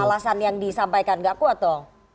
alasan yang disampaikan gak kuat dong